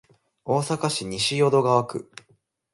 大阪市西淀川区